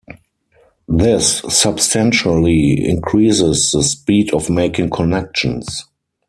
This substantially increases the speed of making connections.